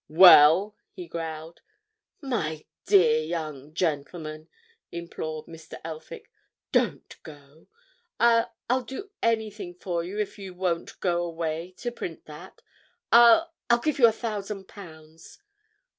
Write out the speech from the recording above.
"Well?" he growled. "My dear young gentleman!" implored Mr. Elphick. "Don't go! I'll—I'll do anything for you if you won't go away to print that. I'll—I'll give you a thousand pounds!"